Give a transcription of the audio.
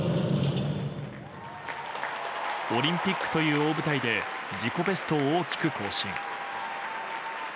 オリンピックという大舞台で自己ベストを大きく更新。